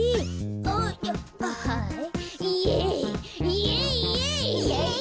イエイイエイイエイ！